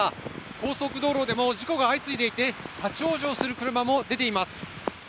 高速道路でも事故が相次いでいて、立往生する車も出ています。